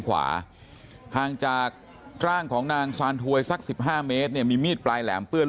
ขวาห่างจากร่างของนางซานถวยสัก๑๕เมตรเนี่ยมีมีดปลายแหลมเปื้อน